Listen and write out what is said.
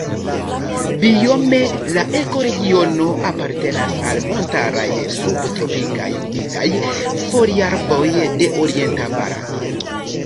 Biome la ekoregiono apartenas al montaraj subtropikaj humidaj foliarbaroj de orienta Barato.